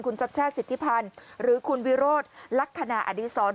คุณชัดชาติสิทธิพันธ์หรือคุณวิโรธลักษณะอดีศร